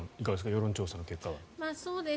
世論調査の結果。